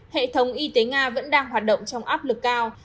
hệ thống y tế nga vẫn đang hoạt động trong áp lực cao